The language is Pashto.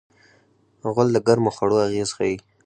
غول د ګرمو خوړو اغېز ښيي.